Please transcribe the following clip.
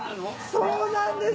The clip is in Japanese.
そうなんです。